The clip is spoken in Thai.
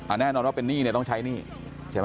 แน่นอนว่าเป็นหนี้เนี่ยต้องใช้หนี้ใช่ไหม